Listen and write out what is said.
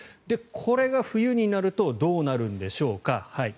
これが冬になるとどうなるんでしょうか。